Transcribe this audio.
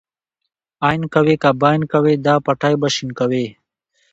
اين کوې که بېن کوې دا پټی به شين کوې.